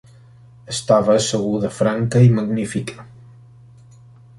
Estava asseguda franca i magnífica.